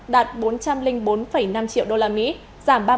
đạt bốn trăm linh bốn năm triệu usd